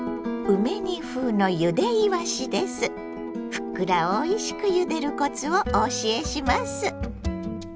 ふっくらおいしくゆでるコツをお教えします。